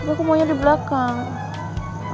aku maunya di belakang